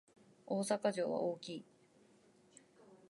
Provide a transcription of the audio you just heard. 大阪城は大きい